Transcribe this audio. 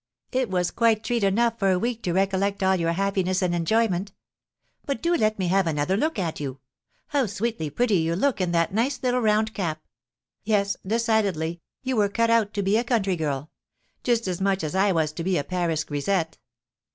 It was quite treat enough for a week to recollect all your happiness and enjoyment. But do let me have another look at you: how sweetly pretty you look in that nice little round cap! Yes, decidedly, you were cut out to be a country girl, just as much as I was to be a Paris grisette.